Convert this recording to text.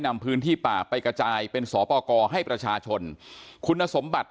นำพื้นที่ป่าไปกระจายเป็นสปกรให้ประชาชนคุณสมบัติ